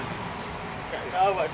gak tahu janji lima puluh